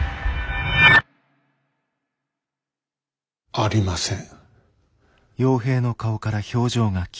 ありません。